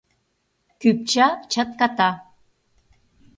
Кӱпча чатката.